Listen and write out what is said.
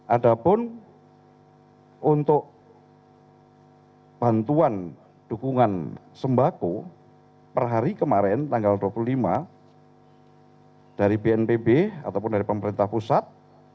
ada pun untuk bantuan dukungan sembako per hari kemarin tanggal dua puluh lima dari bnpb ataupun dari pemerintah pusat